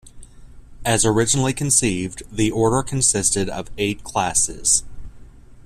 As originally conceived, the order consisted of eight classes.